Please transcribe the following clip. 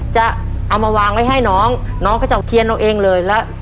จะเอามาวางไว้ให้น้องน้องก็จะเอาเทียนเอาเองเลยแล้ว